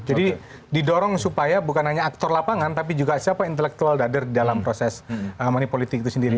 jadi didorong supaya bukan hanya aktor lapangan tapi juga siapa intellectual dader di dalam proses politik itu sendiri